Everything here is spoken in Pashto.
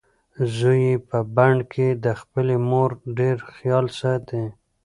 زوی یې په بن کې د خپلې مور ډېر خیال ساتي.